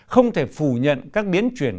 không thể phủ nhận các biến chuyển